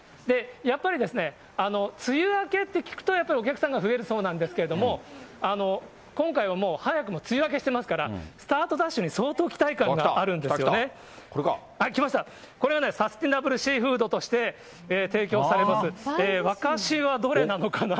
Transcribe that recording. やっぱり、梅雨明けって聞くとやっぱりお客さんが増えるそうなんですけれども、今回はもう、早くも梅雨明けしてますから、スタートダッシュに相当期待感があるんですよね。来ました、これ、サスティナブルシーフードとして提供されます、ワカシはどれなのかな？